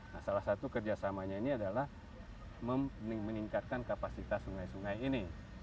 nah salah satu kerjasamanya ini adalah meningkatkan kapasitas sungai sungai ini